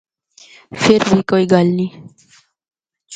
فر بھی کوئی گل نیں۔